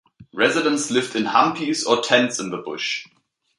Residents lived in humpies or tents in the bush.